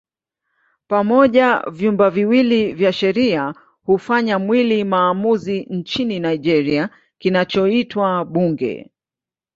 Pamoja vyumba viwili vya sheria hufanya mwili maamuzi nchini Nigeria kinachoitwa Bunge.